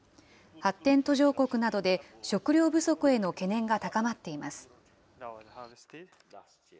発展途上国などで食料不足への懸念が高まっています。